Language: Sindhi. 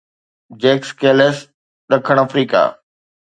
جيڪس ڪيليس ڏکڻ آفريڪا